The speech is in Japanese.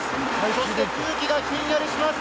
そして空気がひんやりします。